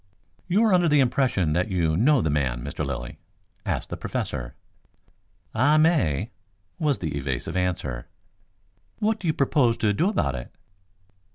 "You are under the impression that you know the man, Mr. Lilly?" asked the Professor. "I may," was the evasive answer. "What do you propose to do about it?"